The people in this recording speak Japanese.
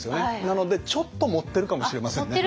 なのでちょっと盛ってるかもしれませんね。